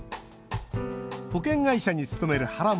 保険会社に勤める原桃子さん